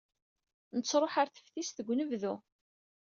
Nettruḥ ɣer teftist deg unebdu.